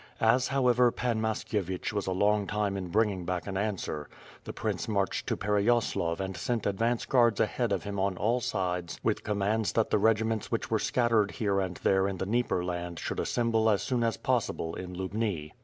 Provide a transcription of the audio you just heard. As, however, Pan Jilashkievich was a long time in bringing back an answer, the Prince marched to l^ereyaslav and sent advance guards ahead of him on all sides with com mands that the regiments which were scattered her and there in the Dnieper land should assemble as soon as possible in Lubni.